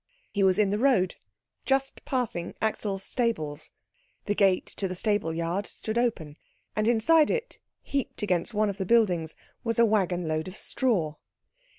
He was in the road, just passing Axel's stables. The gate to the stableyard stood open, and inside it, heaped against one of the buildings, was a waggon load of straw.